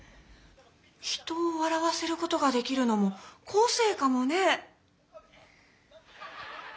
人をわらわせることができるのもこせいかもね！